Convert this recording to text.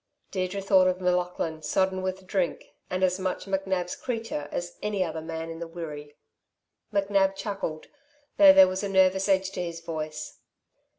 Deirdre thought of M'Laughlin, sodden with drink, and as much McNab's creature as any other man in the Wirree. McNab chuckled, though there was a nervous edge to his voice.